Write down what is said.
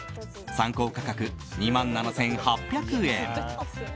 参考価格２万７８００円。